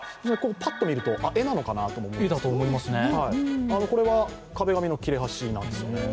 パッと見ると、絵なのかなと思いますが、これは壁紙の切れ端なんですよね。